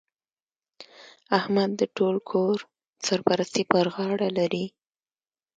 احمد د ټول کور سرپرستي پر غاړه لري.